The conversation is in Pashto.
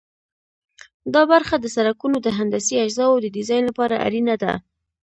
دا برخه د سرکونو د هندسي اجزاوو د ډیزاین لپاره اړینه ده